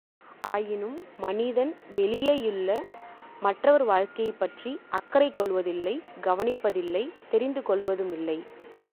ஆயினும், மனிதன் வெளியேயுள்ள மற்றவர் வாழ்க்கையைப் பற்றி அக்கறை கொள்வதில்லை கவனிப்பதில்லை தெரிந்து கொள்வதுமில்லை!